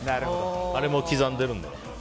あれも刻んでるので。